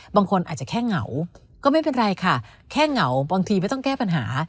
บางคนอาจจะแค่เหงาก็ไม่เป็นไรค่ะแค่เหงาบางทีไม่ต้องแก้ปัญหา